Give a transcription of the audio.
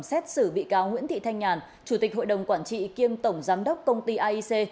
xét xử bị cáo nguyễn thị thanh nhàn chủ tịch hội đồng quản trị kiêm tổng giám đốc công ty aic